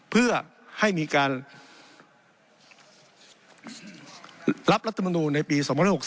เพื่อให้มีการรับรัฐมนูลในปี๒๖๖